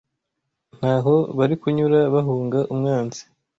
Nta ho bari kunyura bahunga umwanzi